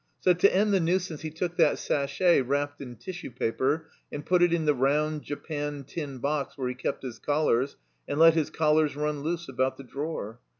So to end the nuisance he took that sachet wrapped in tissue paper, and put it in the rotmd, japanned tin box where he kept his collars, and let his collars run loose about the drawer.